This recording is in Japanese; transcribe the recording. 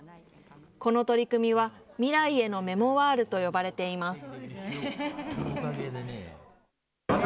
この取り組みは、未来へのメモワールと呼ばれています。